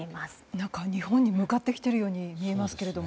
何か、日本に向かってきているように見えますけども。